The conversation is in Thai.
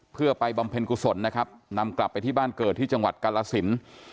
เพื่อไปบำเพ็ญกุศลนะครับนำกลับไปที่บ้านเกิดที่จังหวัดกาลสิน